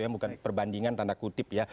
bukan perbandingan tanda kutip ya